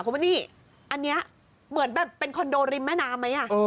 คุณว่านี่อันนี้เหมือนแบบเป็นคอนโดริมแม่น้ำไหม